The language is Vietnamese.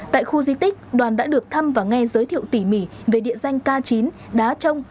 tại khu di tích đoàn đã được thăm và nghe giới thiệu tỉ mỉ về địa danh k chín đá trông